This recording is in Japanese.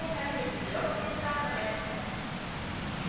白星スタートです。